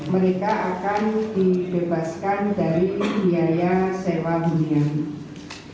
mereka akan dibebaskan dari biaya sewa hunian